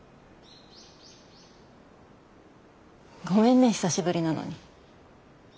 ごめんね久しぶりなのに。